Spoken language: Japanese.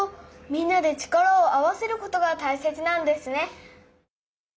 みんなで力を合わせることがたいせつなんですね。